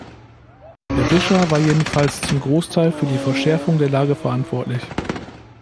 Berisha war jedenfalls zum Großteil für die Verschärfung der Lage verantwortlich.